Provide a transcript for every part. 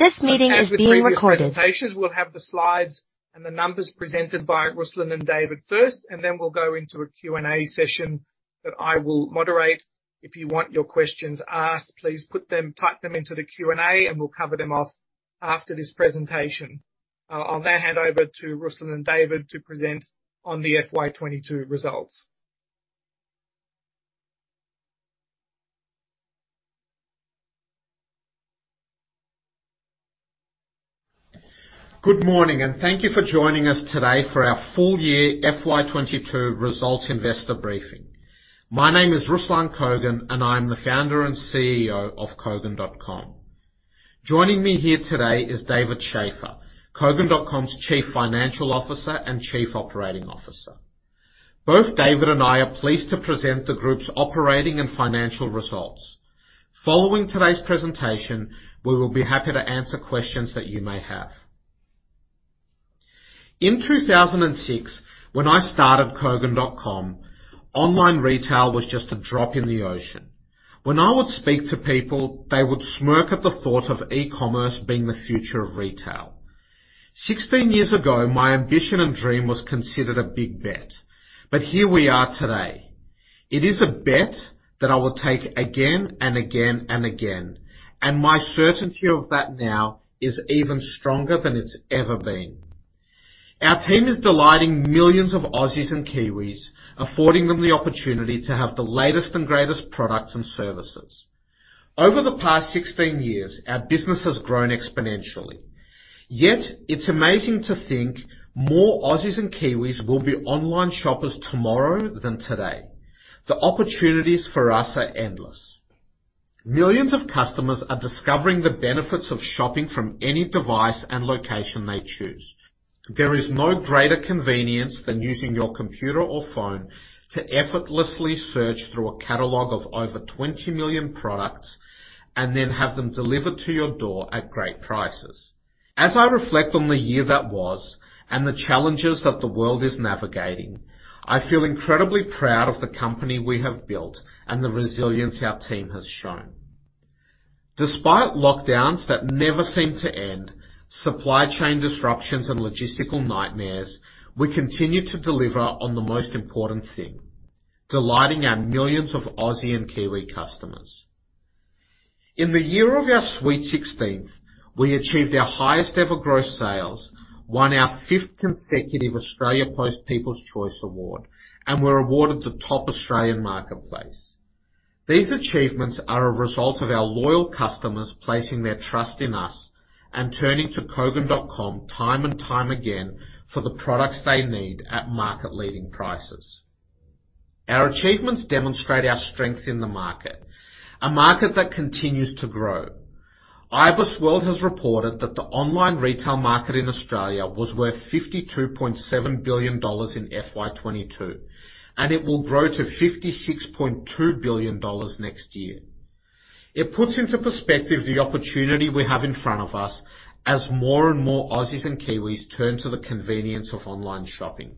As the previous presentations, we'll have the slides and the numbers presented by Ruslan and David first, and then we'll go into a Q&A session that I will moderate. If you want your questions asked, please type them into the Q&A, and we'll cover them off after this presentation. I'll now hand over to Ruslan and David to present on the FY22 results. Good morning, and thank you for joining us today for our full year FY22 results investor briefing. My name is Ruslan Kogan, and I am the Founder and CEO of Kogan.com. Joining me here today is David Shafer, Kogan.com's Chief Financial Officer and Chief Operating Officer. Both David and I are pleased to present the group's operating and financial results. Following today's presentation, we will be happy to answer questions that you may have. In 2006, when I started Kogan.com, online retail was just a drop in the ocean. When I would speak to people, they would smirk at the thought of e-commerce being the future of retail. 16 years ago, my ambition and dream was considered a big bet, but here we are today. It is a bet that I will take again and again and again, and my certainty of that now is even stronger than it's ever been. Our team is delighting millions of Aussies and Kiwis, affording them the opportunity to have the latest and greatest products and services. Over the past 16 years, our business has grown exponentially. Yet it's amazing to think more Aussies and Kiwis will be online shoppers tomorrow than today. The opportunities for us are endless. Millions of customers are discovering the benefits of shopping from any device and location they choose. There is no greater convenience than using your computer or phone to effortlessly search through a catalog of over 20 million products and then have them delivered to your door at great prices. As I reflect on the year that was and the challenges that the world is navigating, I feel incredibly proud of the company we have built and the resilience our team has shown. Despite lockdowns that never seem to end, supply chain disruptions and logistical nightmares, we continue to deliver on the most important thing, delighting our millions of Aussie and Kiwi customers. In the year of our sweet sixteenth, we achieved our highest ever Gross Sales, won our fifth consecutive Australia Post People's Choice Award, and were awarded the top Australian marketplace. These achievements are a result of our loyal customers placing their trust in us and turning to Kogan.com time and time again for the products they need at market-leading prices. Our achievements demonstrate our strength in the market, a market that continues to grow. IBISWorld has reported that the online retail market in Australia was worth 52.7 billion dollars in FY22, and it will grow to 56.2 billion dollars next year. It puts into perspective the opportunity we have in front of us as more and more Aussies and Kiwis turn to the convenience of online shopping.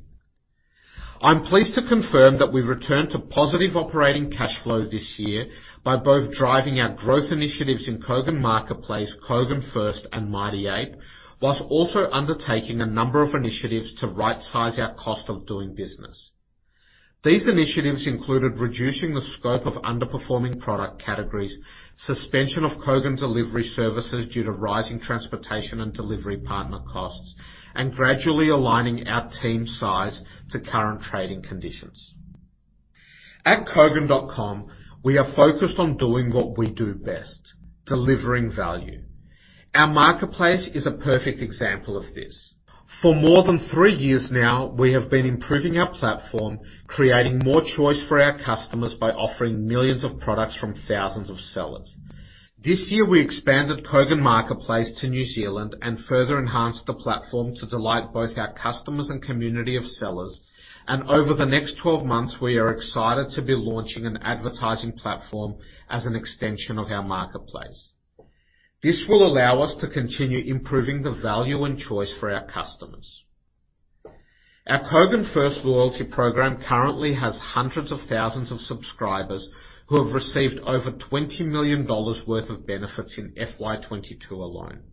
I'm pleased to confirm that we've returned to positive operating cash flow this year by both driving our growth initiatives in Kogan Marketplace, Kogan First, and Mighty Ape, while also undertaking a number of initiatives to right-size our cost of doing business. These initiatives included reducing the scope of underperforming product categories, suspension of Kogan delivery services due to rising transportation and delivery partner costs, and gradually aligning our team size to current trading conditions. At Kogan.com, we are focused on doing what we do best: delivering value. Our marketplace is a perfect example of this. For more than 3 years now, we have been improving our platform, creating more choice for our customers by offering millions of products from thousands of sellers. This year, we expanded Kogan Marketplace to New Zealand and further enhanced the platform to delight both our customers and community of sellers. Over the next 12 months, we are excited to be launching an advertising platform as an extension of our marketplace. This will allow us to continue improving the value and choice for our customers. Our Kogan First loyalty program currently has hundreds of thousands of subscribers who have received over 20 million dollars worth of benefits in FY22 alone.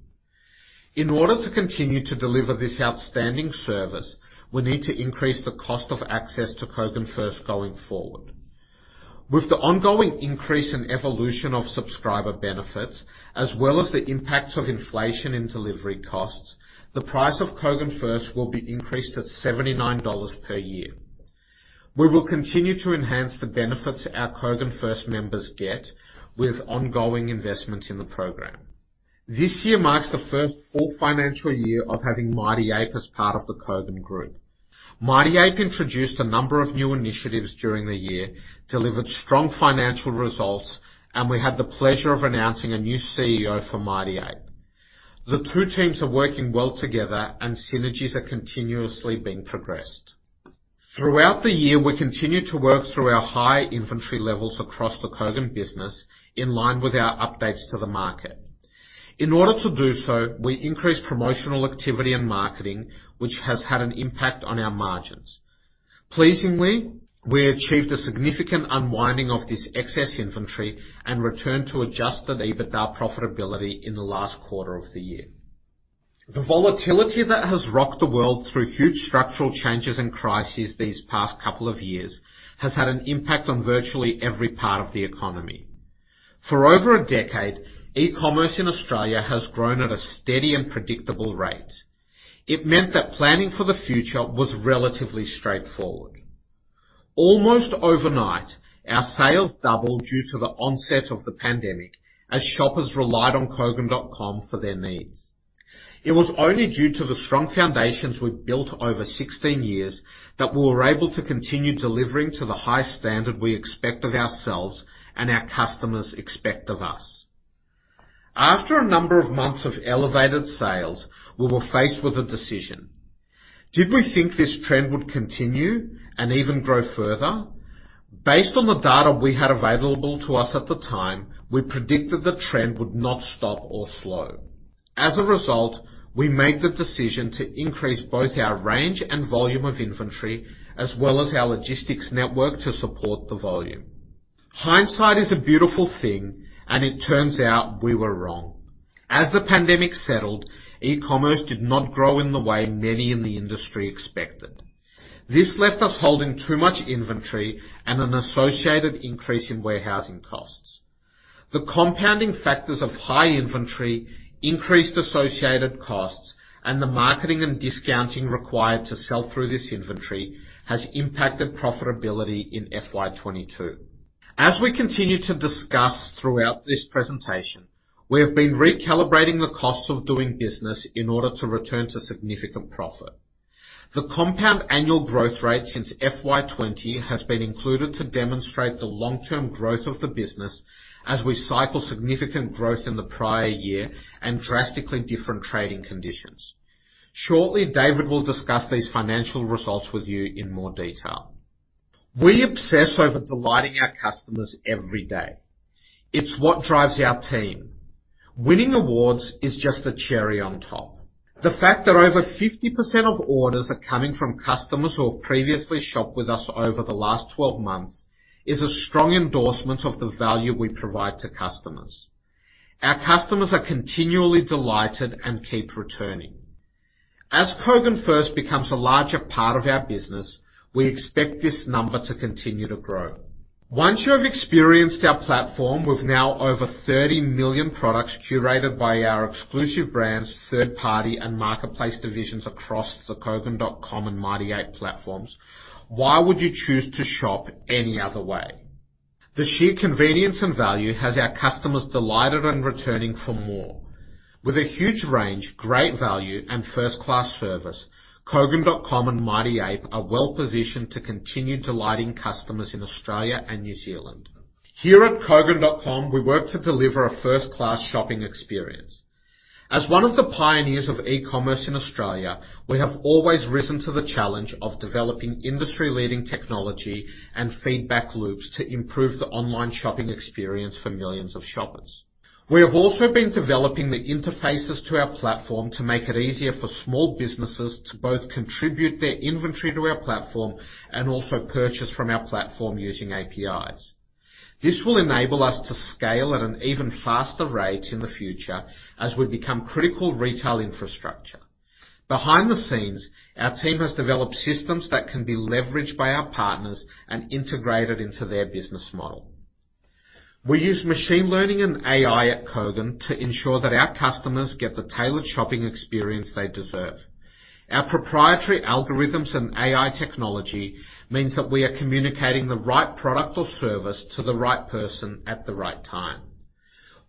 In order to continue to deliver this outstanding service, we need to increase the cost of access to Kogan First going forward. With the ongoing increase and evolution of subscriber benefits, as well as the impacts of inflation in delivery costs, the price of Kogan First will be increased to AUD 79 per year. We will continue to enhance the benefits our Kogan First members get with ongoing investments in the program. This year marks the first full financial year of having Mighty Ape as part of the Kogan Group. Mighty Ape introduced a number of new initiatives during the year, delivered strong financial results, and we had the pleasure of announcing a new CEO for Mighty Ape. The two teams are working well together, and synergies are continuously being progressed. Throughout the year, we continued to work through our high inventory levels across the Kogan business in line with our updates to the market. In order to do so, we increased promotional activity and marketing, which has had an impact on our margins. Pleasingly, we achieved a significant unwinding of this excess inventory and returned to adjusted EBITDA profitability in the last quarter of the year. The volatility that has rocked the world through huge structural changes and crises these past couple of years has had an impact on virtually every part of the economy. For over a decade, e-commerce in Australia has grown at a steady and predictable rate. It meant that planning for the future was relatively straightforward. Almost overnight, our sales doubled due to the onset of the pandemic as shoppers relied on Kogan.com for their needs. It was only due to the strong foundations we'd built over 16 years that we were able to continue delivering to the high standard we expect of ourselves and our customers expect of us. After a number of months of elevated sales, we were faced with a decision. Did we think this trend would continue and even grow further? Based on the data we had available to us at the time, we predicted the trend would not stop or slow. As a result, we made the decision to increase both our range and volume of inventory, as well as our logistics network to support the volume. Hindsight is a beautiful thing, and it turns out we were wrong. As the pandemic settled, e-commerce did not grow in the way many in the industry expected. This left us holding too much inventory and an associated increase in warehousing costs. The compounding factors of high inventory, increased associated costs, and the marketing and discounting required to sell through this inventory has impacted profitability in FY22. As we continue to discuss throughout this presentation, we have been recalibrating the cost of doing business in order to return to significant profit. The compound annual growth rate since FY20 has been included to demonstrate the long-term growth of the business as we cycle significant growth in the prior year and drastically different trading conditions. Shortly, David will discuss these financial results with you in more detail. We obsess over delighting our customers every day. It's what drives our team. Winning awards is just the cherry on top. The fact that over 50% of orders are coming from customers who have previously shopped with us over the last 12 months is a strong endorsement of the value we provide to customers. Our customers are continually delighted and keep returning. As Kogan First becomes a larger part of our business, we expect this number to continue to grow. Once you have experienced our platform, with now over 30 million products curated by our Exclusive Brands, Third-Party Brands, and Kogan Marketplace divisions across the Kogan.com and Mighty Ape platforms, why would you choose to shop any other way? The sheer convenience and value has our customers delighted and returning for more. With a huge range, great value, and first-class service, Kogan.com and Mighty Ape are well-positioned to continue delighting customers in Australia and New Zealand. Here at Kogan.com, we work to deliver a first-class shopping experience. As one of the pioneers of e-commerce in Australia, we have always risen to the challenge of developing industry-leading technology and feedback loops to improve the online shopping experience for millions of shoppers. We have also been developing the interfaces to our platform to make it easier for small businesses to both contribute their inventory to our platform and also purchase from our platform using APIs. This will enable us to scale at an even faster rate in the future as we become critical retail infrastructure. Behind the scenes, our team has developed systems that can be leveraged by our partners and integrated into their business model. We use machine learning and AI at Kogan to ensure that our customers get the tailored shopping experience they deserve. Our proprietary algorithms and AI technology means that we are communicating the right product or service to the right person at the right time.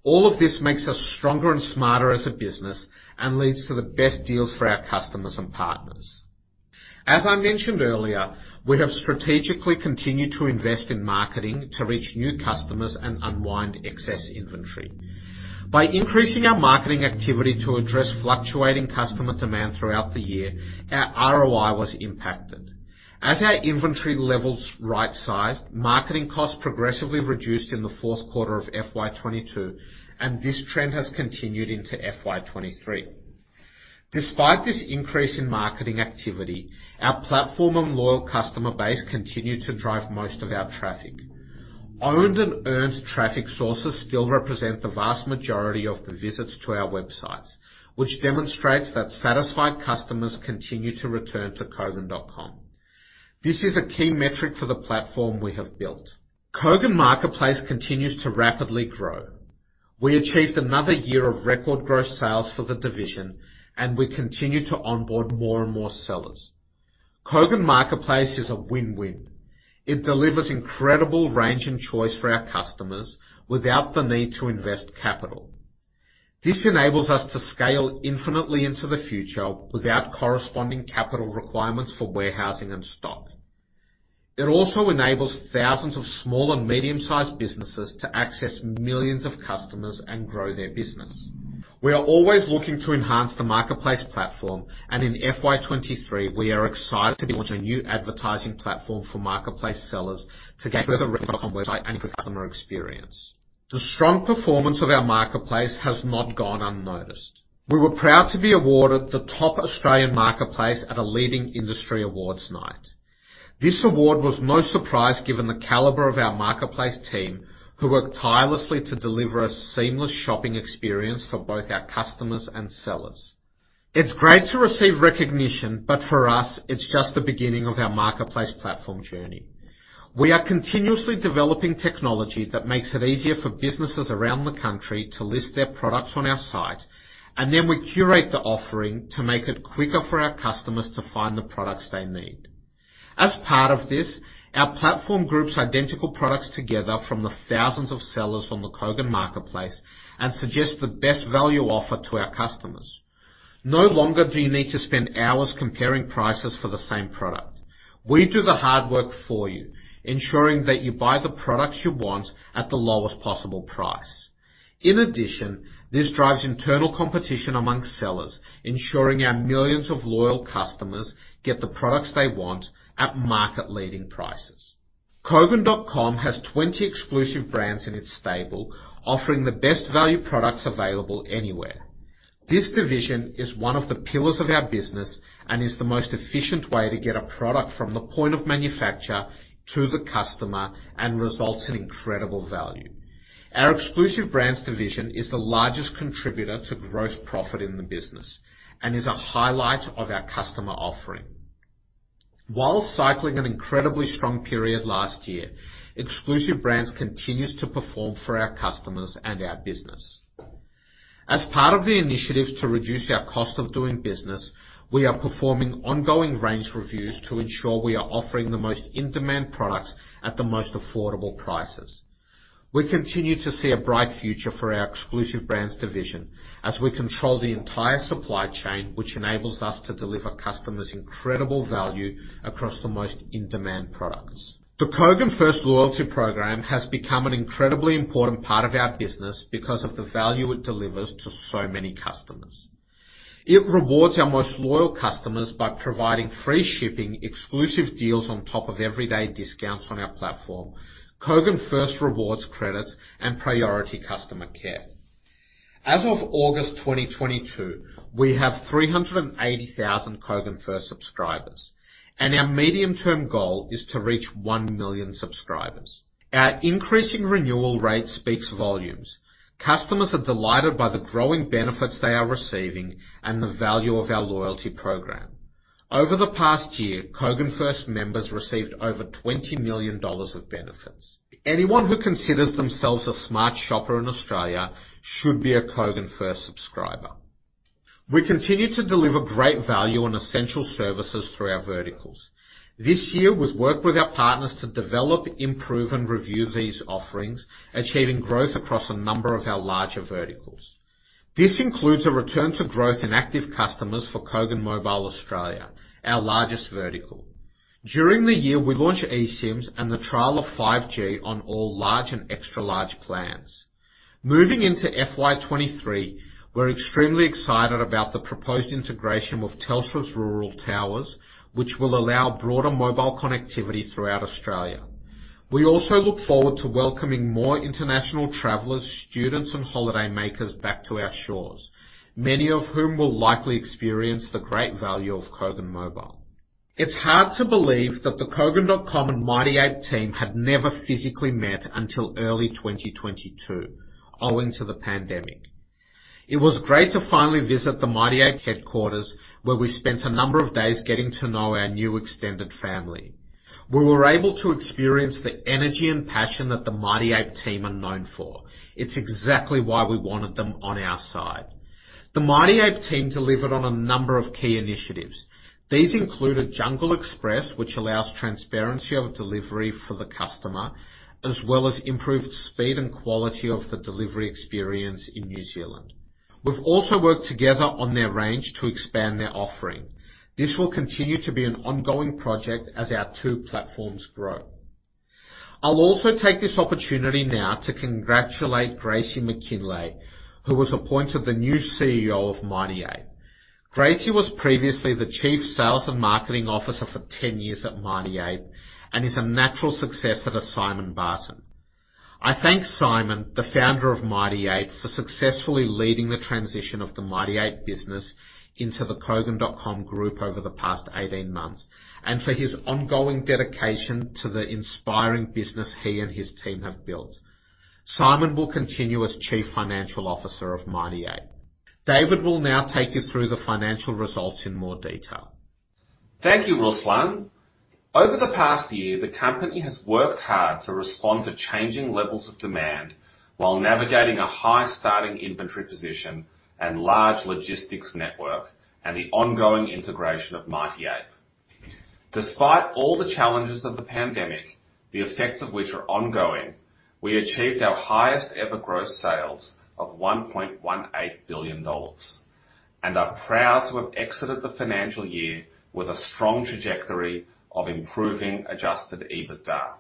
All of this makes us stronger and smarter as a business and leads to the best deals for our customers and partners. As I mentioned earlier, we have strategically continued to invest in marketing to reach new customers and unwind excess inventory. By increasing our marketing activity to address fluctuating customer demand throughout the year, our ROI was impacted. As our inventory levels right-sized, marketing costs progressively reduced in the fourth quarter of FY22, and this trend has continued into FY23. Despite this increase in marketing activity, our platform and loyal customer base continued to drive most of our traffic. Owned and earned traffic sources still represent the vast majority of the visits to our websites, which demonstrates that satisfied customers continue to return to Kogan.com. This is a key metric for the platform we have built. Kogan Marketplace continues to rapidly grow. We achieved another year of record growth sales for the division, and we continue to onboard more and more sellers. Kogan Marketplace is a win-win. It delivers incredible range and choice for our customers without the need to invest capital. This enables us to scale infinitely into the future without corresponding capital requirements for warehousing and stock. It also enables thousands of small and medium-sized businesses to access millions of customers and grow their business. We are always looking to enhance the marketplace platform, and in FY23 we are excited to be launching a new advertising platform for marketplace sellers to get website and customer experience. The strong performance of our marketplace has not gone unnoticed. We were proud to be awarded the top Australian marketplace at a leading industry awards night. This award was no surprise given the caliber of our marketplace team, who work tirelessly to deliver a seamless shopping experience for both our customers and sellers. It's great to receive recognition, but for us, it's just the beginning of our marketplace platform journey. We are continuously developing technology that makes it easier for businesses around the country to list their products on our site, and then we curate the offering to make it quicker for our customers to find the products they need. As part of this, our platform groups identical products together from the thousands of sellers from the Kogan Marketplace and suggests the best value offer to our customers. No longer do you need to spend hours comparing prices for the same product. We do the hard work for you, ensuring that you buy the products you want at the lowest possible price. In addition, this drives internal competition among sellers, ensuring our millions of loyal customers get the products they want at market-leading prices. Kogan.com has 20 Exclusive Brands in its stable, offering the best value products available anywhere. This division is one of the pillars of our business and is the most efficient way to get a product from the point of manufacture to the customer and results in incredible value. Our Exclusive Brands division is the largest contributor to gross profit in the business and is a highlight of our customer offering. While cycling an incredibly strong period last year, Exclusive Brands continues to perform for our customers and our business. As part of the initiatives to reduce our cost of doing business, we are performing ongoing range reviews to ensure we are offering the most in-demand products at the most affordable prices. We continue to see a bright future for our Exclusive Brands division as we control the entire supply chain, which enables us to deliver customers incredible value across the most in-demand products. The Kogan First loyalty program has become an incredibly important part of our business because of the value it delivers to so many customers. It rewards our most loyal customers by providing free shipping, exclusive deals on top of everyday discounts on our platform, Kogan First rewards credits, and priority customer care. As of August 2022, we have 380,000 Kogan First subscribers, and our medium-term goal is to reach 1 million subscribers. Our increasing renewal rate speaks volumes. Customers are delighted by the growing benefits they are receiving and the value of our loyalty program. Over the past year, Kogan First members received over 20 million dollars of benefits. Anyone who considers themselves a smart shopper in Australia should be a Kogan First subscriber. We continue to deliver great value on essential services through our verticals. This year, we've worked with our partners to develop, improve, and review these offerings, achieving growth across a number of our larger verticals. This includes a return to growth in active customers for Kogan Mobile Australia, our largest vertical. During the year, we launched eSIMs and the trial of 5G on all large and extra-large plans. Moving into FY23, we're extremely excited about the proposed integration with Telstra's rural towers, which will allow broader mobile connectivity throughout Australia. We also look forward to welcoming more international travelers, students, and holidaymakers back to our shores, many of whom will likely experience the great value of Kogan Mobile. It's hard to believe that the Kogan.com and Mighty Ape team had never physically met until early 2022, owing to the pandemic. It was great to finally visit the Mighty Ape headquarters, where we spent a number of days getting to know our new extended family, where we were able to experience the energy and passion that the Mighty Ape team are known for. It's exactly why we wanted them on our side. The Mighty Ape team delivered on a number of key initiatives. These included Jungle Express, which allows transparency of delivery for the customer, as well as improved speed and quality of the delivery experience in New Zealand. We've also worked together on their range to expand their offering. This will continue to be an ongoing project as our two platforms grow. I'll also take this opportunity now to congratulate Gracie MacKinlay, who was appointed the new CEO of Mighty Ape. Gracie was previously the Chief Sales and Marketing Officer for 10 years at Mighty Ape and is a natural successor to Simon Barton. I thank Simon, the founder of Mighty Ape, for successfully leading the transition of the Mighty Ape business into the Kogan.com group over the past 18 months, and for his ongoing dedication to the inspiring business he and his team have built. Simon will continue as Chief Financial Officer of Mighty Ape. David will now take you through the financial results in more detail. Thank you, Ruslan. Over the past year, the company has worked hard to respond to changing levels of demand while navigating a high starting inventory position and large logistics network and the ongoing integration of Mighty Ape. Despite all the challenges of the pandemic, the effects of which are ongoing, we achieved our highest-ever Gross Sales of 1.18 billion dollars. We are proud to have exited the financial year with a strong trajectory of improving adjusted EBITDA.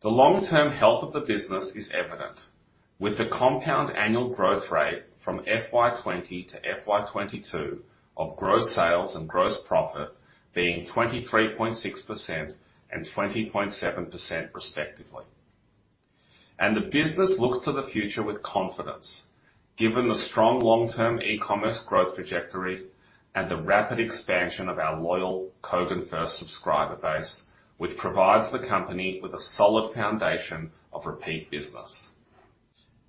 The long-term health of the business is evident, with the compound annual growth rate from FY20 to FY22 of Gross Sales and gross profit being 23.6% and 20.7% respectively. The business looks to the future with confidence, given the strong long-term e-commerce growth trajectory and the rapid expansion of our loyal Kogan First subscriber base, which provides the company with a solid foundation of repeat business.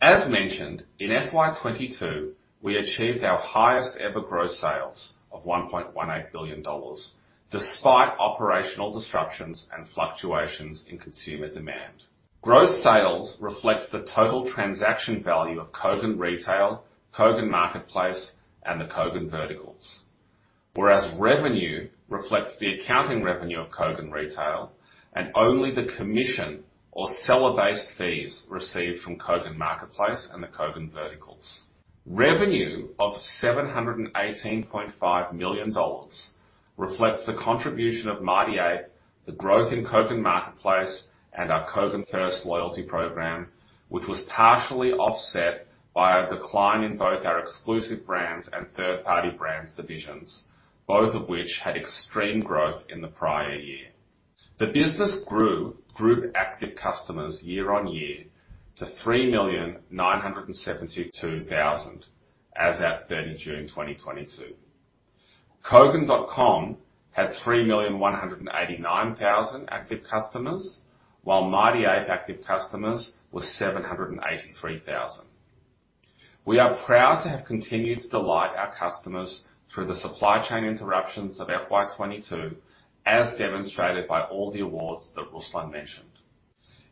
As mentioned, in FY22, we achieved our highest ever Gross Sales of 1.18 billion dollars, despite operational disruptions and fluctuations in consumer demand. Gross Sales reflects the total transaction value of Kogan Retail, Kogan Marketplace, and the Kogan Verticals, whereas revenue reflects the accounting revenue of Kogan Retail and only the commission or seller-based fees received from Kogan Marketplace and the Kogan Verticals. Revenue of 718.5 million dollars reflects the contribution of Mighty Ape, the growth in Kogan Marketplace, and our Kogan First loyalty program, which was partially offset by a decline in both our Exclusive Brands and Third-Party Brands divisions, both of which had extreme growth in the prior year. The business grew Group Active Customers year-on-year to 3,972,000 as at 30 June 2022. Kogan.com had 3,189,000 active customers, while Mighty Ape active customers were 783,000. We are proud to have continued to delight our customers through the supply chain interruptions of FY22, as demonstrated by all the awards that Ruslan mentioned.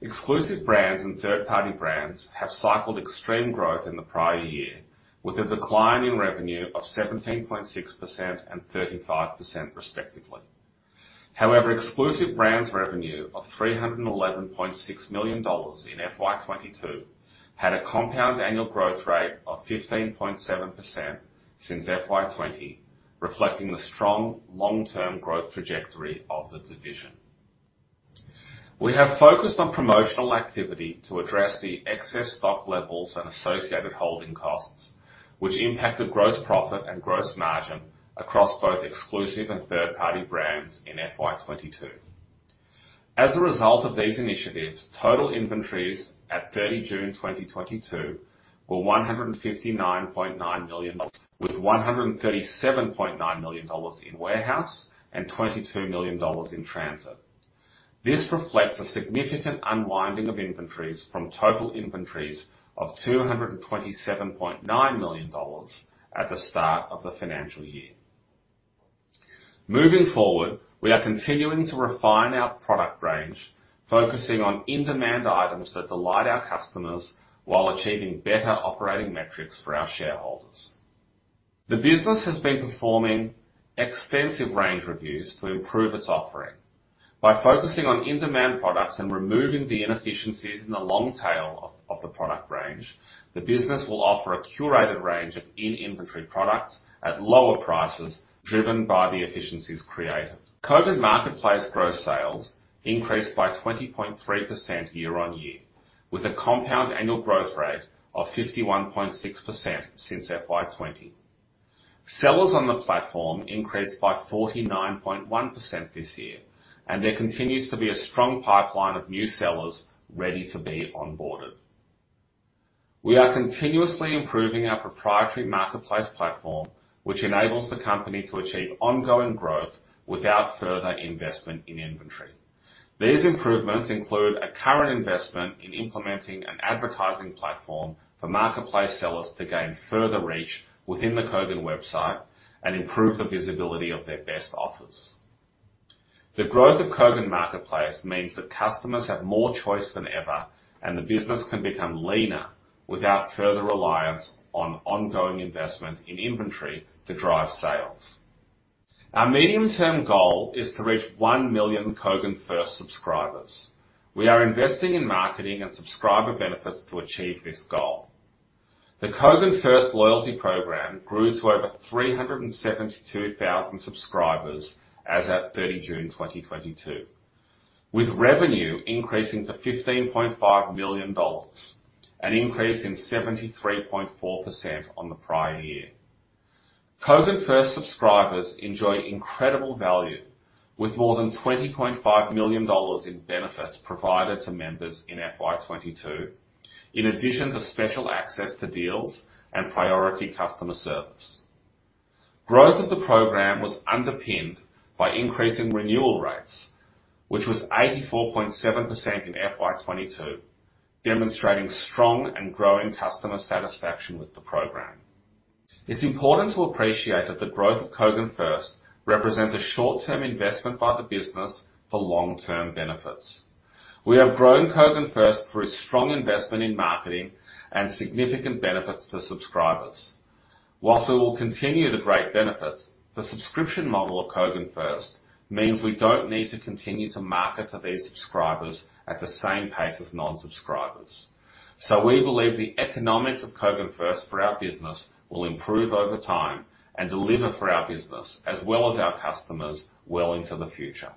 Exclusive Brands and Third-Party Brands have cycled extreme growth in the prior year with a decline in revenue of 17.6% and 35% respectively. However, Exclusive Brands revenue of 311.6 million dollars in FY22 had a compound annual growth rate of 15.7% since FY20, reflecting the strong long-term growth trajectory of the division. We have focused on promotional activity to address the excess stock levels and associated holding costs, which impacted gross profit and gross margin across both Exclusive and Third-Party Brands in FY22. As a result of these initiatives, total inventories at 30 June 2022 were 159.9 million dollars, with 137.9 million dollars in warehouse and 22 million dollars in transit. This reflects a significant unwinding of inventories from total inventories of 227.9 million dollars at the start of the financial year. Moving forward, we are continuing to refine our product range, focusing on in-demand items that delight our customers while achieving better operating metrics for our shareholders. The business has been performing extensive range reviews to improve its offering. By focusing on in-demand products and removing the inefficiencies in the long tail of the product range, the business will offer a curated range of in-inventory products at lower prices, driven by the efficiencies created. Kogan Marketplace Gross Sales increased by 20.3% year-on-year, with a compound annual growth rate of 51.6% since FY20. Sellers on the platform increased by 49.1% this year, and there continues to be a strong pipeline of new sellers ready to be onboarded. We are continuously improving our proprietary marketplace platform, which enables the company to achieve ongoing growth without further investment in inventory. These improvements include a current investment in implementing an advertising platform for marketplace sellers to gain further reach within the Kogan website and improve the visibility of their best offers. The growth of Kogan Marketplace means that customers have more choice than ever, and the business can become leaner without further reliance on ongoing investment in inventory to drive sales. Our medium-term goal is to reach 1 million Kogan First subscribers. We are investing in marketing and subscriber benefits to achieve this goal. The Kogan First loyalty program grew to over 372,000 subscribers as at 30 June 2022, with revenue increasing to 15.5 million dollars, an increase of 73.4% on the prior year. Kogan First subscribers enjoy incredible value with more than 25 million dollars in benefits provided to members in FY22, in addition to special access to deals and priority customer service. Growth of the program was underpinned by increasing renewal rates, which was 84.7% in FY22, demonstrating strong and growing customer satisfaction with the program. It's important to appreciate that the growth of Kogan First represents a short-term investment by the business for long-term benefits. We have grown Kogan First through a strong investment in marketing and significant benefits to subscribers. While we will continue the great benefits, the subscription model of Kogan First means we don't need to continue to market to these subscribers at the same pace as non-subscribers. We believe the economics of Kogan First for our business will improve over time and deliver for our business as well as our customers well into the future.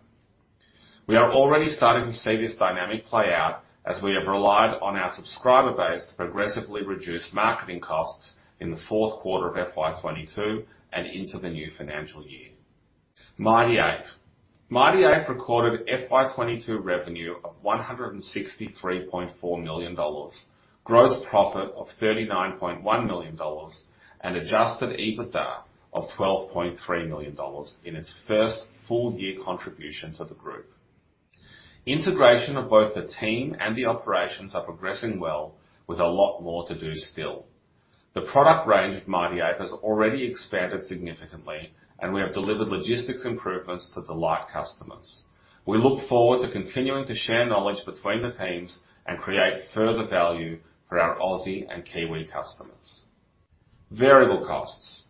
We are already starting to see this dynamic play out, as we have relied on our subscriber base to progressively reduce marketing costs in the fourth quarter of FY 2022 and into the new financial year. Mighty Ape recorded FY 2022 revenue of 163.4 million dollars, gross profit of 39.1 million dollars, and adjusted EBITDA of 12.3 million dollars in its first full year contribution to the group. Integration of both the team and the operations are progressing well with a lot more to do still. The product range of Mighty Ape has already expanded significantly, and we have delivered logistics improvements to delight customers. We look forward to continuing to share knowledge between the teams and create further value for our Aussie and Kiwi customers. Variable costs.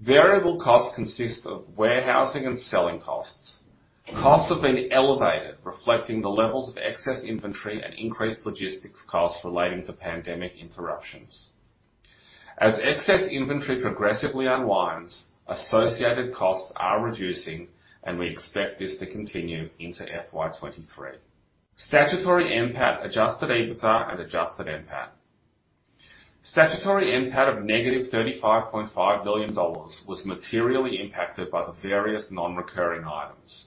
Variable costs consist of warehousing and selling costs. Costs have been elevated, reflecting the levels of excess inventory and increased logistics costs relating to pandemic interruptions. As excess inventory progressively unwinds, associated costs are reducing, and we expect this to continue into FY23. Statutory NPAT, adjusted EBITDA and adjusted NPAT. Statutory NPAT of -35.5 million dollars was materially impacted by the various non-recurring items.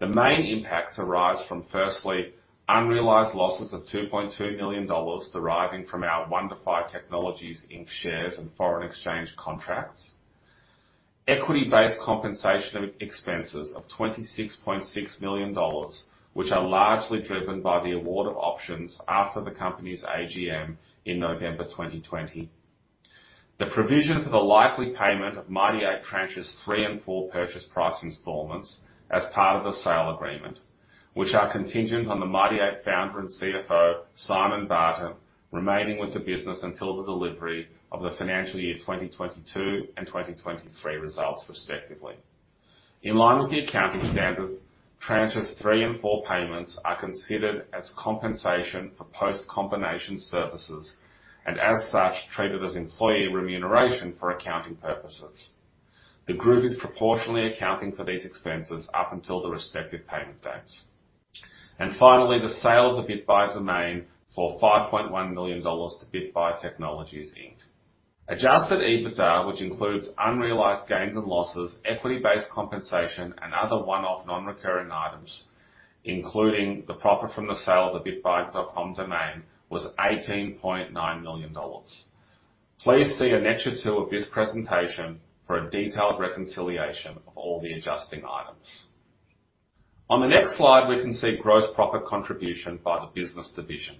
The main impacts arise from, firstly, unrealized losses of $2.2 million deriving from our Bitbuy Technologies Inc. shares and foreign exchange contracts. Equity-based compensation expenses of 26.6 million dollars, which are largely driven by the award of options after the company's AGM in November 2020. The provision for the likely payment of Mighty Ape tranches 3 and 4 purchase price installments as part of the sale agreement, which are contingent on the Mighty Ape founder and CFO, Simon Barton, remaining with the business until the delivery of the financial year 2022 and 2023 results, respectively. In line with the accounting standards, tranches 3 and 4 payments are considered as compensation for post-combination services, and as such, treated as employee remuneration for accounting purposes. The group is proportionally accounting for these expenses up until the respective payment dates. Finally, the sale of the Bitbuy domain for 5.1 million dollars to Bitbuy Technologies Inc. Adjusted EBITDA, which includes unrealized gains and losses, equity-based compensation, and other one-off non-recurring items, including the profit from the sale of the bitbuy.com domain, was AUD 18.9 million. Please see Annexure 2 of this presentation for a detailed reconciliation of all the adjusting items. On the next slide, we can see gross profit contribution by the business division.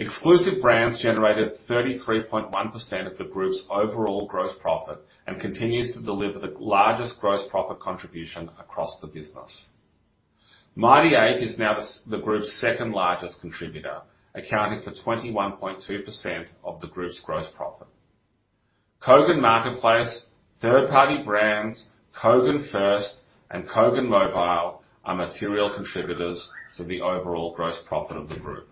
Exclusive Brands generated 33.1% of the group's overall gross profit and continues to deliver the largest gross profit contribution across the business. Mighty Ape is now the group's second largest contributor, accounting for 21.2% of the group's gross profit. Kogan Marketplace, Third-Party Brands, Kogan First, and Kogan Mobile are material contributors to the overall gross profit of the group.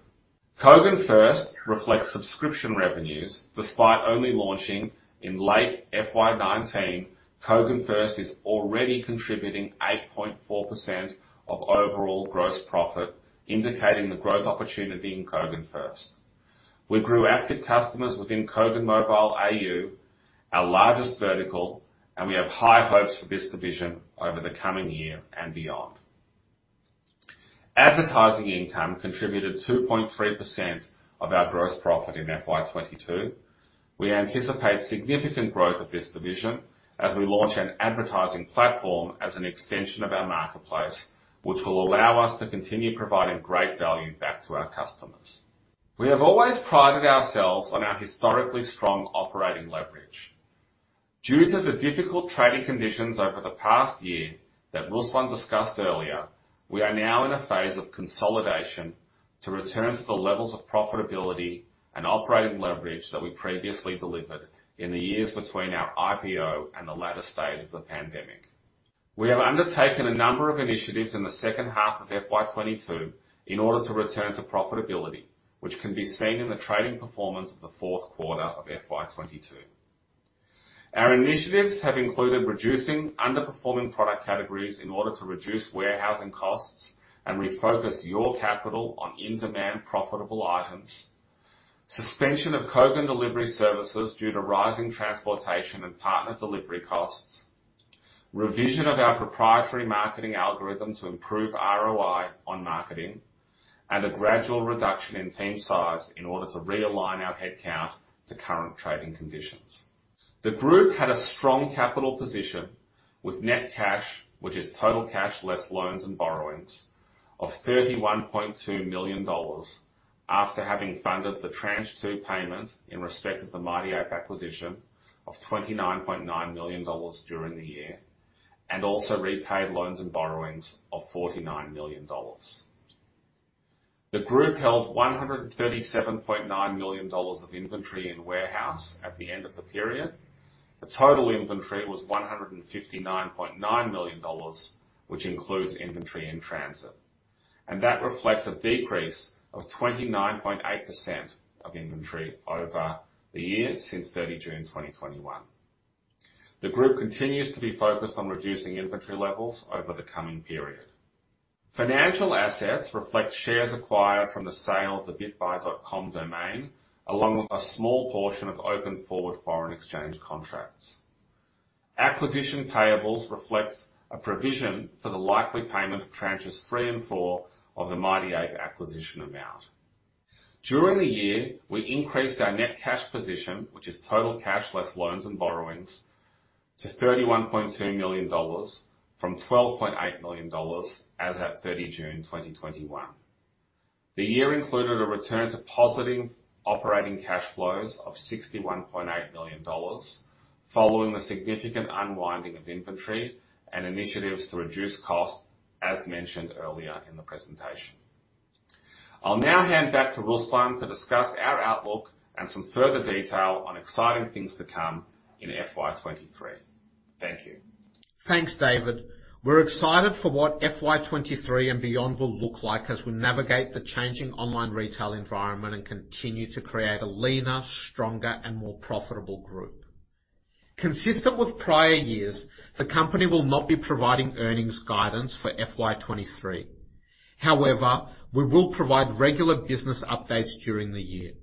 Kogan First reflects subscription revenues. Despite only launching in late FY 2019, Kogan First is already contributing 8.4% of overall gross profit, indicating the growth opportunity in Kogan First. We grew active customers within Kogan Mobile AU, our largest vertical, and we have high hopes for this division over the coming year and beyond. Advertising income contributed 2.3% of our gross profit in FY 2022. We anticipate significant growth of this division as we launch an advertising platform as an extension of our marketplace, which will allow us to continue providing great value back to our customers. We have always prided ourselves on our historically strong operating leverage. Due to the difficult trading conditions over the past year that Wilson discussed earlier, we are now in a phase of consolidation to return to the levels of profitability and operating leverage that we previously delivered in the years between our IPO and the latter stage of the pandemic. We have undertaken a number of initiatives in the second half of FY22 in order to return to profitability, which can be seen in the trading performance of the fourth quarter of FY22. Our initiatives have included reducing underperforming product categories in order to reduce warehousing costs and refocus your capital on in-demand profitable items, suspension of Kogan delivery services due to rising transportation and partner delivery costs, revision of our proprietary marketing algorithm to improve ROI on marketing, and a gradual reduction in team size in order to realign our headcount to current trading conditions. The group had a strong capital position with net cash, which is total cash less loans and borrowings, of 31.2 million dollars, after having funded the tranche 2 payment in respect of the Mighty Ape acquisition of AUD 29.9 million during the year, and also repaid loans and borrowings of AUD 49 million. The group held AUD 137.9 million of inventory in warehouse at the end of the period. The total inventory was AUD 159.9 million, which includes inventory in transit, and that reflects a decrease of 29.8% of inventory over the year since 30 June 2021. The group continues to be focused on reducing inventory levels over the coming period. Financial assets reflect shares acquired from the sale of the bitbuy.com domain, along with a small portion of open forward foreign exchange contracts. Acquisition payables reflects a provision for the likely payment of tranches three and four of the Mighty Ape acquisition amount. During the year, we increased our net cash position, which is total cash less loans and borrowings, to AUD 31.2 million from AUD 12.8 million as at 30 June 2021. The year included a return to positive operating cash flows of 61.8 million dollars following the significant unwinding of inventory and initiatives to reduce cost, as mentioned earlier in the presentation. I'll now hand back to Ruslan to discuss our outlook and some further detail on exciting things to come in FY23. Thank you. Thanks, David. We're excited for what FY23 and beyond will look like as we navigate the changing online retail environment and continue to create a leaner, stronger, and more profitable group. Consistent with prior years, the company will not be providing earnings guidance for FY23. However, we will provide regular business updates during the year.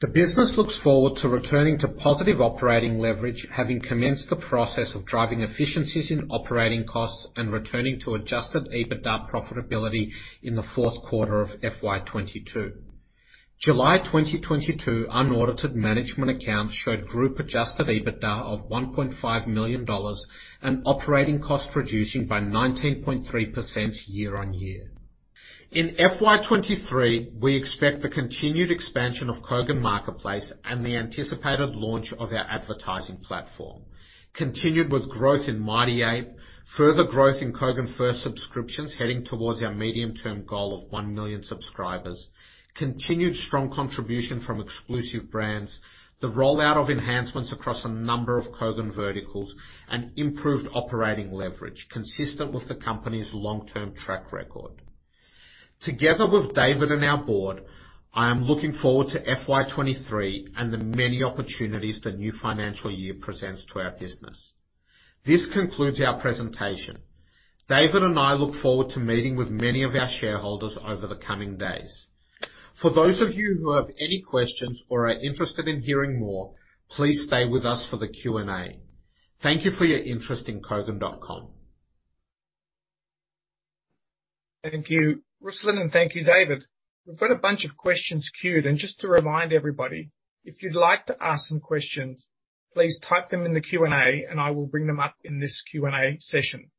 The business looks forward to returning to positive operating leverage, having commenced the process of driving efficiencies in operating costs and returning to adjusted EBITDA profitability in the fourth quarter of FY22. July 2022 unaudited management accounts showed group adjusted EBITDA of 1.5 million dollars, and operating costs reducing by 19.3% year-on-year. In FY23, we expect the continued expansion of Kogan Marketplace and the anticipated launch of our advertising platform. Continued with growth in Mighty Ape, further growth in Kogan First subscriptions heading towards our medium-term goal of one million subscribers, continued strong contribution from Exclusive Brands. The rollout of enhancements across a number of Kogan Verticals and improved operating leverage consistent with the company's long-term track record. Together with David and our board, I am looking forward to FY23 and the many opportunities the new financial year presents to our business. This concludes our presentation. David and I look forward to meeting with many of our shareholders over the coming days. For those of you who have any questions or are interested in hearing more, please stay with us for the Q&A. Thank you for your interest in Kogan.com. Thank you, Ruslan, and thank you, David. We've got a bunch of questions queued. Just to remind everybody, if you'd like to ask some questions, please type them in the Q&A, and I will bring them up in this Q&A session.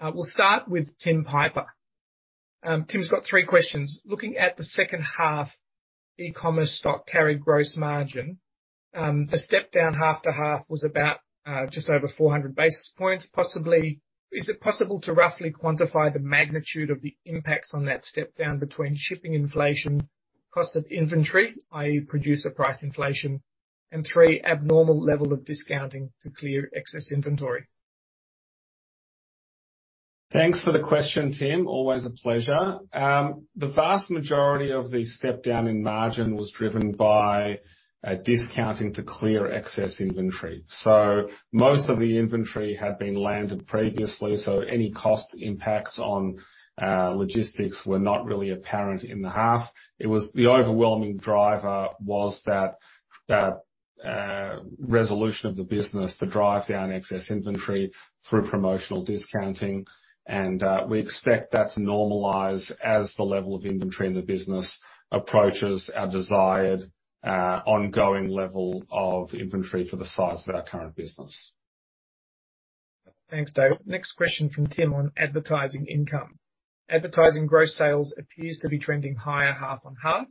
We'll start with Tim Piper. Tim's got three questions. Looking at the second half e-commerce stock carry gross margin, the step-down half to half was about just over 400 basis points. Is it possible to roughly quantify the magnitude of the impacts on that step-down between shipping inflation, cost of inventory, i.e., producer price inflation, and three, abnormal level of discounting to clear excess inventory? Thanks for the question, Tim. Always a pleasure. The vast majority of the step-down in margin was driven by discounting to clear excess inventory. Most of the inventory had been landed previously, so any cost impacts on logistics were not really apparent in the half. The overwhelming driver was that resolution of the business to drive down excess inventory through promotional discounting, and we expect that to normalize as the level of inventory in the business approaches our desired ongoing level of inventory for the size of our current business. Thanks, David. Next question from Tim on advertising income. Advertising Gross Sales appears to be trending higher half-on-half,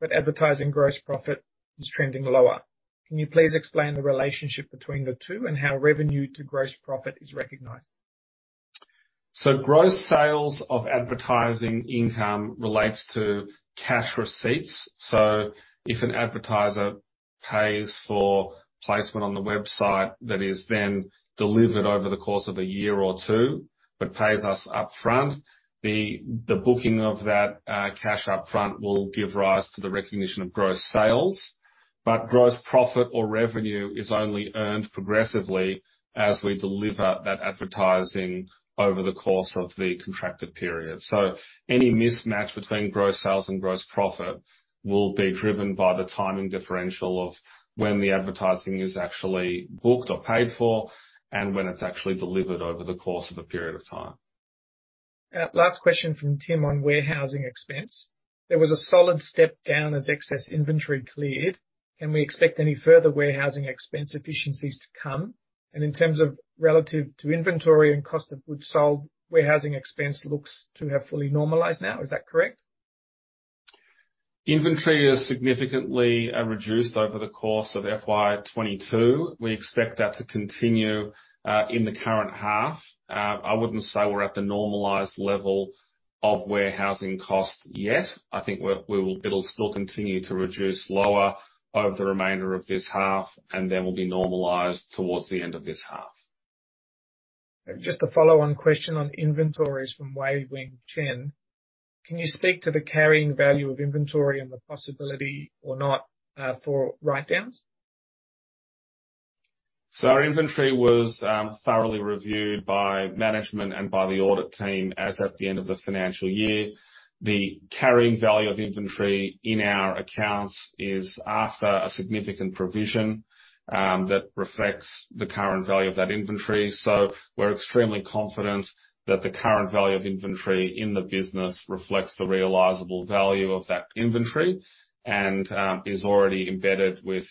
but advertising gross profit is trending lower. Can you please explain the relationship between the two and how revenue to gross profit is recognized? Gross Sales of advertising income relates to cash receipts. If an advertiser pays for placement on the website that is then delivered over the course of a year or two, but pays us upfront, the booking of that cash up front will give rise to the recognition of Gross Sales. Gross profit or revenue is only earned progressively as we deliver that advertising over the course of the contracted period. Any mismatch between Gross Sales and gross profit will be driven by the timing differential of when the advertising is actually booked or paid for, and when it's actually delivered over the course of a period of time. Last question from Tim on warehousing expense. There was a solid step-down as excess inventory cleared. Can we expect any further warehousing expense efficiencies to come? In terms of relative to inventory and cost of goods sold, warehousing expense looks to have fully normalized now. Is that correct? Inventory is significantly reduced over the course of FY22. We expect that to continue in the current half. I wouldn't say we're at the normalized level of warehousing costs yet. I think it'll still continue to reduce lower over the remainder of this half, and then will be normalized towards the end of this half. Just a follow-on question on inventories from Wei-Weng Chen. Can you speak to the carrying value of inventory and the possibility or not, for write-downs? Our inventory was thoroughly reviewed by management and by the audit team as at the end of the financial year. The carrying value of inventory in our accounts is after a significant provision that reflects the current value of that inventory. We're extremely confident that the current value of inventory in the business reflects the realizable value of that inventory and is already embedded with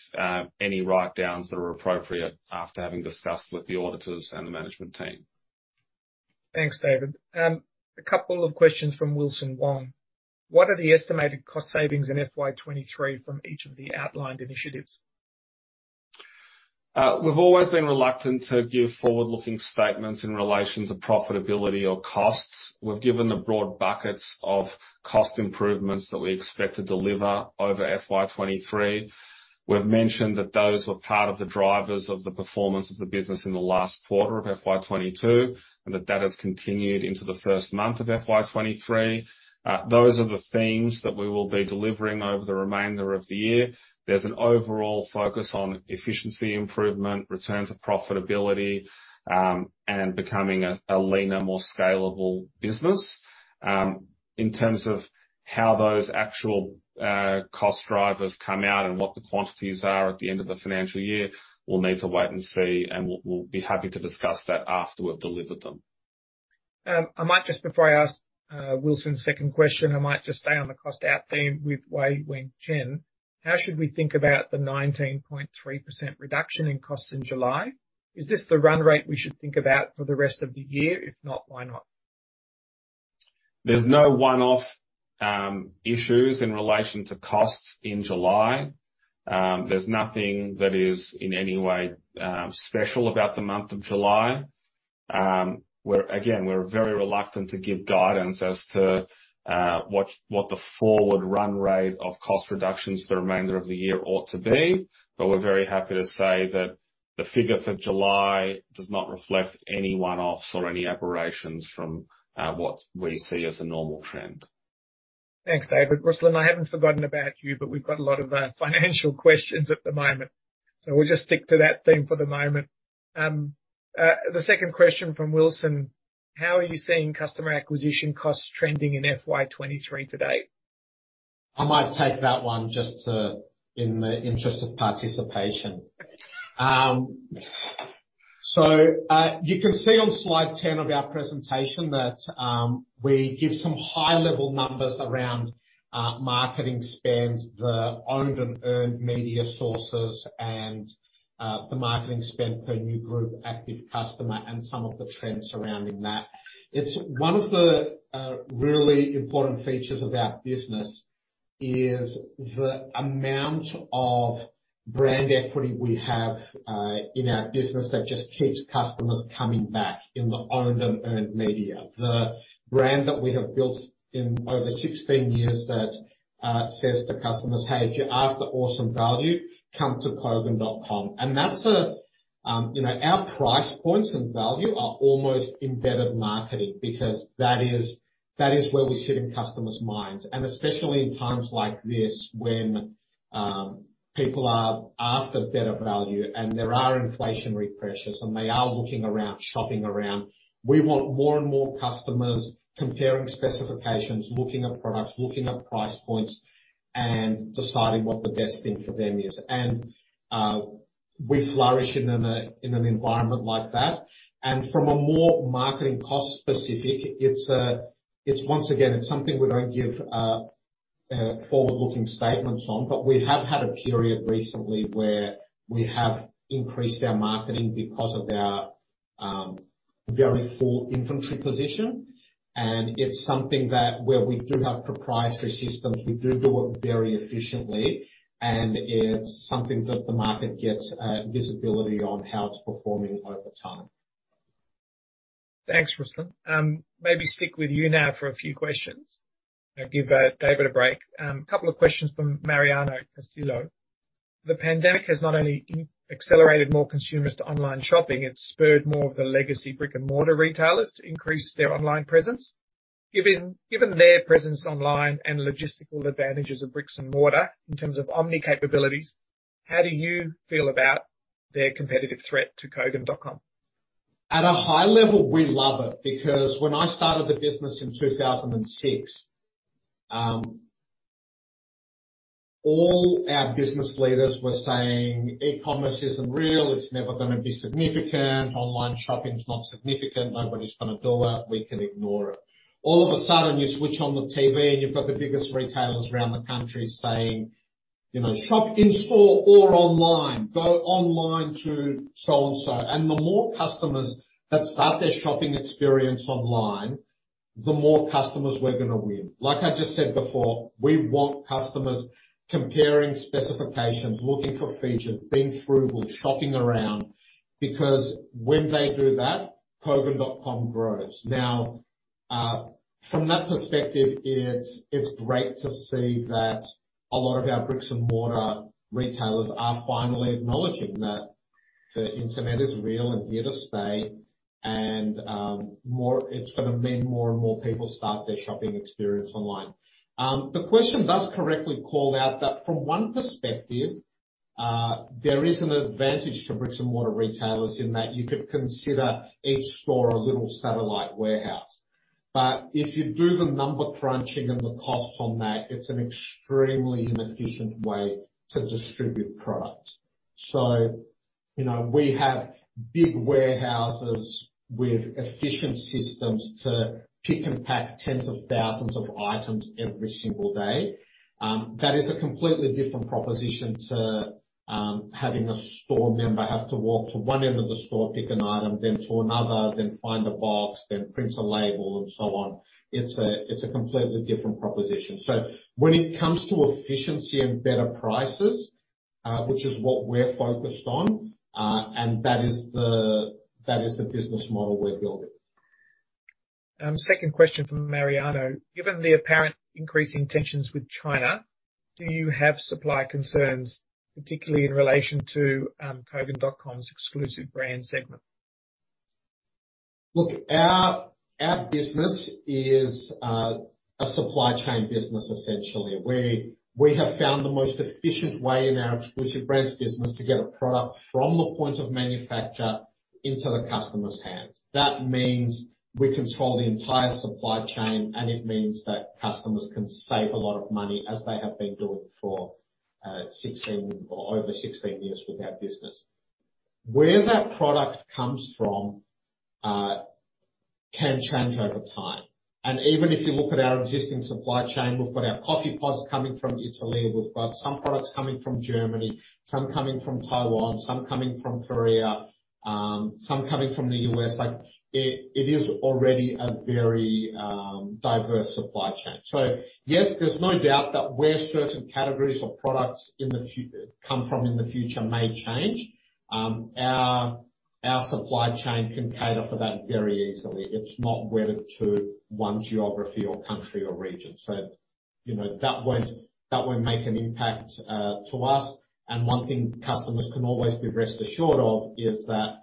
any write-downs that are appropriate after having discussed with the auditors and the management team. Thanks, David. A couple of questions from Wilson Wong. What are the estimated cost savings in FY23 from each of the outlined initiatives? We've always been reluctant to give forward-looking statements in relation to profitability or costs. We've given the broad buckets of cost improvements that we expect to deliver over FY23. We've mentioned that those were part of the drivers of the performance of the business in the last quarter of FY22, and that has continued into the first month of FY23. Those are the themes that we will be delivering over the remainder of the year. There's an overall focus on efficiency improvement, return to profitability, and becoming a leaner, more scalable business. In terms of how those actual cost drivers come out and what the quantities are at the end of the financial year, we'll need to wait and see, and we'll be happy to discuss that after we've delivered them. I might just, before I ask Wilson's second question, I might just stay on the cost-out theme with Wei-Weng Chen. How should we think about the 19.3% reduction in costs in July? Is this the run rate we should think about for the rest of the year? If not, why not? There's no one-off issues in relation to costs in July. There's nothing that is in any way special about the month of July. Again, we're very reluctant to give guidance as to what the forward run rate of cost reductions for the remainder of the year ought to be. We're very happy to say that the figure for July does not reflect any one-offs or any aberrations from what we see as a normal trend. Thanks, David. Ruslan, I haven't forgotten about you, but we've got a lot of financial questions at the moment, so we'll just stick to that theme for the moment. The second question from Wilson: How are you seeing customer acquisition costs trending in FY23 to date? I might take that one just to in the interest of participation. You can see on slide 10 of our presentation that we give some high-level numbers around marketing spends, the owned and earned media sources and the marketing spend per new group active customer and some of the trends surrounding that. It's one of the really important features of our business is the amount of brand equity we have in our business that just keeps customers coming back in the owned and earned media. The brand that we have built over 16 years that says to customers, "Hey, if you're after awesome value, come to Kogan.com." That's our price points and value are almost embedded marketing because that is where we sit in customers' minds, and especially in times like this when people are after better value and there are inflationary pressures, and they are looking around, shopping around. We want more and more customers comparing specifications, looking at products, looking at price points, and deciding what the best thing for them is. We flourish in an environment like that. From a more marketing cost specific, it's once again, it's something we don't give forward-looking statements on. We have had a period recently where we have increased our marketing because of our very full inventory position. It's something that where we do have proprietary systems, we do it very efficiently, and it's something that the market gets visibility on how it's performing over time. Thanks, Ruslan. Maybe stick with you now for a few questions and give David a break. Couple of questions from Mariano Castillo. The pandemic has not only accelerated more consumers to online shopping, it spurred more of the legacy brick-and-mortar retailers to increase their online presence. Given their presence online and logistical advantages of bricks and mortar in terms of omni capabilities, how do you feel about their competitive threat to Kogan.com? At a high level, we love it because when I started the business in 2006, all our business leaders were saying e-commerce isn't real. It's never gonna be significant. Online shopping is not significant. Nobody's gonna do it. We can ignore it. All of a sudden, you switch on the TV, and you've got the biggest retailers around the country saying, "Shop in store or online. Go online to so and so." The more customers that start their shopping experience online, the more customers we're gonna win. Like I just said before, we want customers comparing specifications, looking for features, being frugal, shopping around, because when they do that, Kogan.com grows. Now, from that perspective, it's great to see that a lot of our bricks-and-mortar retailers are finally acknowledging that the internet is real and here to stay. It's gonna mean more and more people start their shopping experience online. The question does correctly call out that from one perspective, there is an advantage to bricks-and-mortar retailers in that you could consider each store a little satellite warehouse. If you do the number crunching and the cost on that, it's an extremely inefficient way to distribute product. We have big warehouses with efficient systems to pick and pack tens of thousands of items every single day. That is a completely different proposition to having a store member have to walk to one end of the store, pick an item, then to another, then find a box, then print a label, and so on. It's a completely different proposition. When it comes to efficiency and better prices, which is what we're focused on, and that is the business model we're building. Second question from Mariano. Given the apparent increasing tensions with China, do you have supply concerns, particularly in relation to Kogan.com's Exclusive Brands? Look, our business is a supply chain business, essentially, where we have found the most efficient way in our Exclusive Brands business to get a product from the point of manufacture into the customer's hands. That means we control the entire supply chain, and it means that customers can save a lot of money, as they have been doing for 16, or over 16 years with our business. Where that product comes from can change over time. Even if you look at our existing supply chain, we've got our coffee pods coming from Italy, we've got some products coming from Germany, some coming from Taiwan, some coming from Korea, some coming from the U.S. Like, it is already a very diverse supply chain. Yes, there's no doubt that where certain categories or products in the future come from may change. Our supply chain can cater for that very easily. It's not wedded to one geography or country or region. That won't make an impact to us. One thing customers can always be rest assured of is that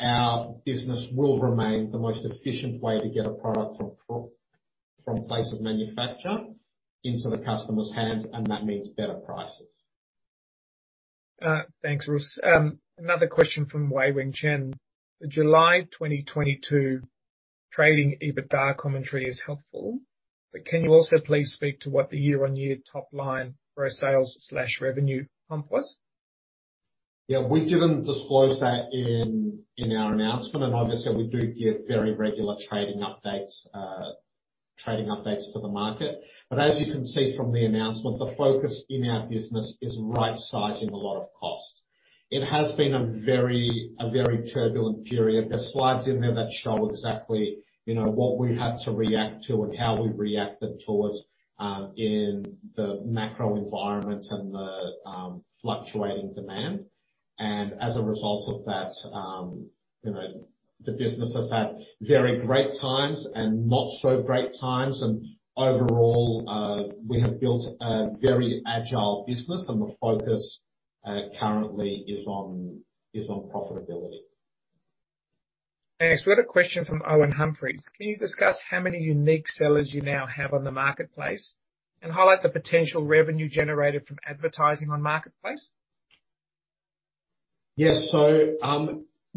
our business will remain the most efficient way to get a product from place of manufacture into the customer's hands, and that means better prices. Thanks, Russ. Another question from Wei-Weng Chen. The July 2022 trading EBITDA commentary is helpful, but can you also please speak to what the year-on-year top line for a sales/revenue comp was? Yeah. We didn't disclose that in our announcement. Obviously, we do give very regular trading updates to the market. As you can see from the announcement, the focus in our business is rightsizing a lot of costs. It has been a very turbulent period. There's slides in there that show exactly what we've had to react to and how we've reacted to in the macro environment and the fluctuating demand. As a result of that the business has had very great times and not so great times. Overall, we have built a very agile business and the focus currently is on profitability. Thanks. We had a question from Owen Humphries. Can you discuss how many unique sellers you now have on the Marketplace, and highlight the potential revenue generated from advertising on Marketplace? Yes.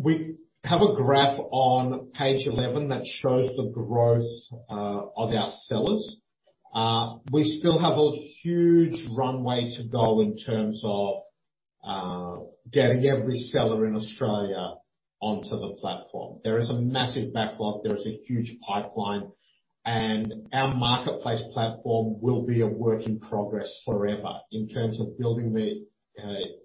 We have a graph on page 11 that shows the growth of our sellers. We still have a huge runway to go in terms of getting every seller in Australia onto the platform. There is a massive backlog. There is a huge pipeline. Our marketplace platform will be a work in progress forever in terms of building the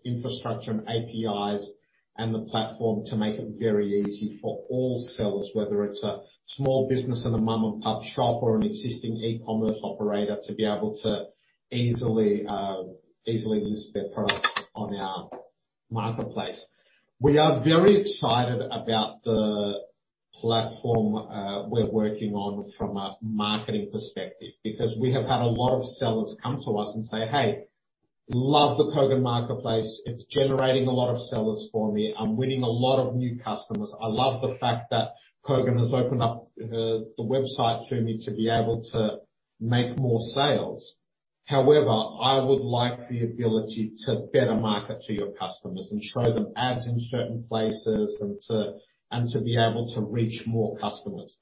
infrastructure and APIs and the platform to make it very easy for all sellers, whether it's a small business and a mom-and-pop shop or an existing e-commerce operator, to be able to easily list their products on our marketplace. We are very excited about the platform we're working on from a marketing perspective, because we have had a lot of sellers come to us and say, "Hey, love the Kogan Marketplace. It's generating a lot of sellers for me. I'm winning a lot of new customers. I love the fact that Kogan has opened up the website to me to be able to make more sales. However, I would like the ability to better market to your customers and show them ads in certain places and to be able to reach more customers."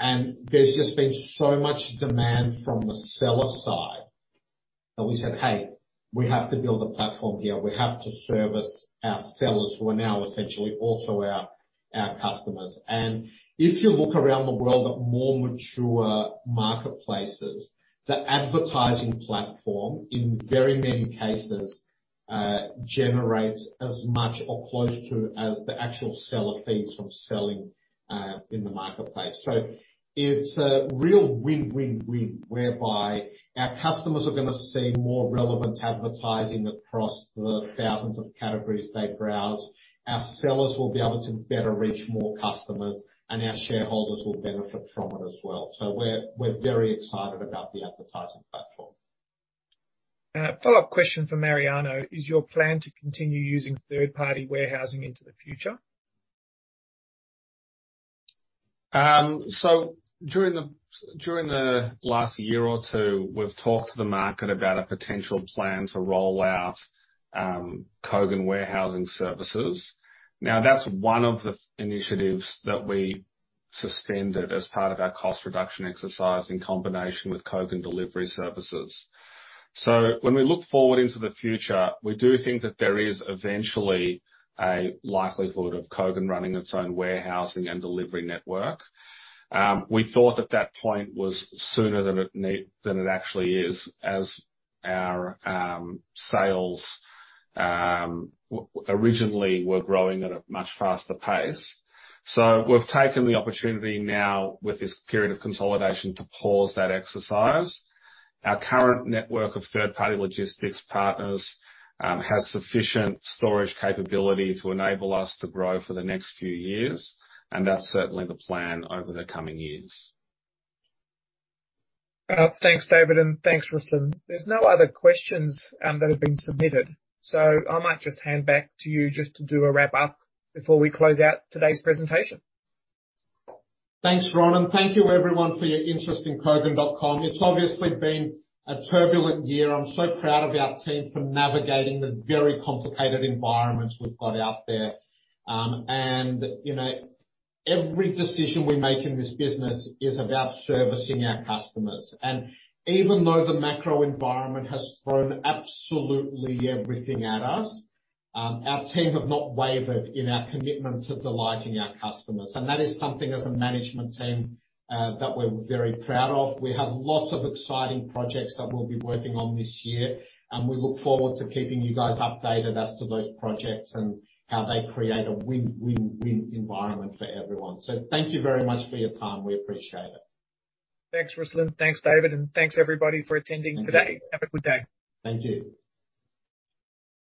There's just been so much demand from the seller side that we said, "Hey, we have to build a platform here. We have to service our sellers who are now essentially also our customers." If you look around the world at more mature marketplaces, the advertising platform, in very many cases, generates as much or close to as the actual seller fees from selling in the marketplace. It's a real win-win-win, whereby our customers are gonna see more relevant advertising across the thousands of categories they browse. Our sellers will be able to better reach more customers, and our shareholders will benefit from it as well. We're very excited about the advertising platform. Follow-up question for Mariano. Is your plan to continue using third-party warehousing into the future? During the last year or two, we've talked to the market about a potential plan to roll out Kogan warehousing services. That's one of the initiatives that we suspended as part of our cost reduction exercise in combination with Kogan delivery services. When we look forward into the future, we do think that there is eventually a likelihood of Kogan running its own warehousing and delivery network. We thought that point was sooner than it actually is, as our sales originally were growing at a much faster pace. We've taken the opportunity now with this period of consolidation to pause that exercise. Our current network of third-party logistics partners has sufficient storage capability to enable us to grow for the next few years, and that's certainly the plan over the coming years. Thanks, David, and thanks, Ruslan. There's no other questions that have been submitted, so I might just hand back to you just to do a wrap up before we close out today's presentation. Thanks, Ron, and thank you everyone for your interest in Kogan.com. It's obviously been a turbulent year. I'm so proud of our team for navigating the very complicated environments we've got out there. Every decision we make in this business is about servicing our customers. Even though the macro environment has thrown absolutely everything at us, our team have not wavered in our commitment to delighting our customers. That is something, as a management team, that we're very proud of. We have lots of exciting projects that we'll be working on this year, and we look forward to keeping you guys updated as to those projects and how they create a win-win-win environment for everyone. Thank you very much for your time. We appreciate it. Thanks, Ruslan. Thanks, David, and thanks everybody for attending today. Thank you. Have a good day. Thank you.